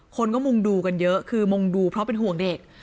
คนก็มุ่งดูกันเยอะคือมุงดูเพราะเป็นห่วงเด็ก